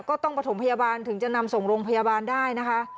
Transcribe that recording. ก็ต้องประถมพยาบาลถึงจะนำส่งโรงพยาบาลได้นะคะ